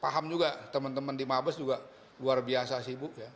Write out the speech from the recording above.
paham juga teman teman di mabes juga luar biasa sibuk ya